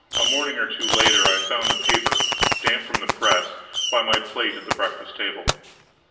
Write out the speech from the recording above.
A morning or two later I found the paper, damp from the press, by my plate at the breakfast table.